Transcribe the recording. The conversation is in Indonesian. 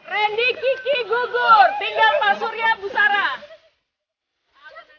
randy kiki gugur tinggal pasurnya busara